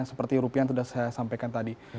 seperti rupiah yang sudah saya sampaikan tadi